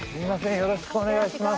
よろしくお願いします